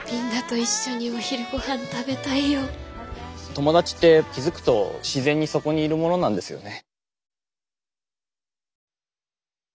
友達って気付くと自然にそこにいるものなんですよね。